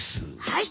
はい。